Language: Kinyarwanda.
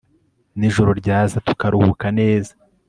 n'ijoro ryaza tukaruhuka neza